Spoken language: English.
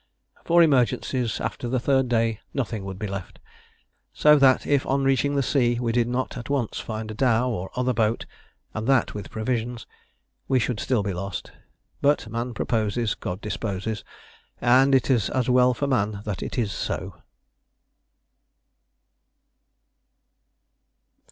For emergencies after the third day nothing would be left, so that, if on reaching the sea we did not at once find a dhow or other boat, and that with provisions, we should still be lost. But man proposes, God disposes; and it is as well for man that it is so.